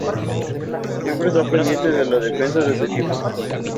Siempre está pendiente de la defensa de su equipo.